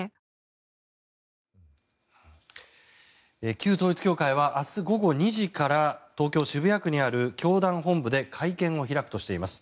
旧統一教会は明日午後２時から東京・渋谷区にある教団本部で会見を開くとしています。